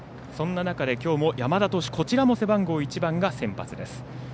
そんな中できょうも山田投手背番号１番が先発です。